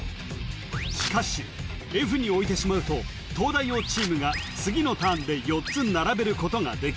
しかしＦに置いてしまうと東大王チームが次のターンで４つ並べることができ